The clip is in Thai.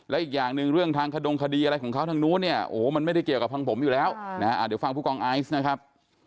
และอีกอย่างหนึ่งเรื่องทางขดงคดีอะไรของเขาทางนู้นเนี่ยโอ้โหมันไม่ได้เกี่ยวกับทางผมอยู่แล้วนะฮะเดี๋ยวฟังผู้กองไอซ์นะครับ